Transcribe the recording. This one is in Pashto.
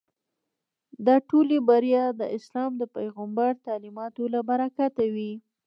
دا ټولې بریاوې د اسلام د پیغمبر تعلیماتو له برکته وې.